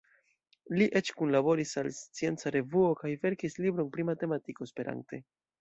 Li eĉ kunlaboris al Scienca Revuo kaj verkis libron pri matematiko esperante.